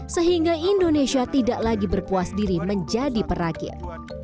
sehingga indonesia tidak lagi berpuas diri menjadi perakit